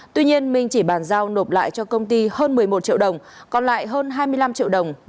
tuy nhiên minh chỉ bàn giao nộp lại cho công ty hơn một mươi một triệu đồng còn lại hơn hai mươi năm triệu đồng